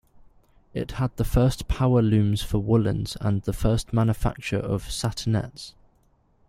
It had the first power looms for woolens and the first manufacture of "satinets".